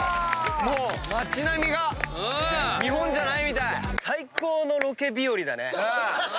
もう街並みが日本じゃないみたい。